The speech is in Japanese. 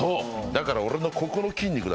だから俺のここの筋肉。